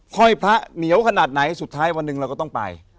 ห้อยพระเหนียวขนาดไหนสุดท้ายวันหนึ่งเราก็ต้องไป